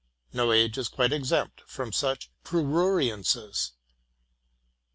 No age is quite exempt from such pruriences.